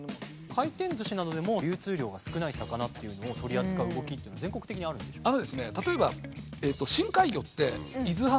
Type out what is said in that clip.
回転ずしなどでも流通量が少ない魚っていうのを取り扱う動きって全国的にあるんでしょうか？